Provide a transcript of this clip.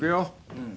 うん。